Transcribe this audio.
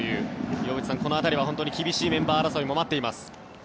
岩渕さん、この辺りは厳しいメンバー争いも待っています。